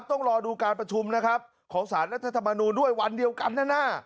ต้องรอดูการประชุมของศาลนัทธรรมนุนด้วยวันเดียวกันหน้า